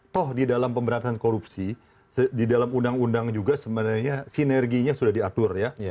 toh di dalam pemberantasan korupsi di dalam undang undang juga sebenarnya sinerginya sudah diatur ya